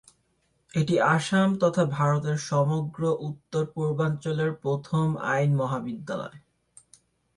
এটি আসাম তথা ভারতের সমগ্র উত্তর-পূর্বাঞ্চলের প্রথম আইন মহাবিদ্যালয়।